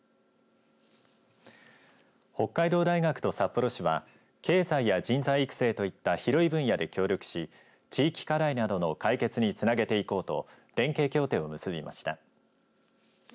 北海道大学と札幌市は経済や人材育成といった広い分野で協力し地域課題などの解決につなげていこうと連携協定を結びました。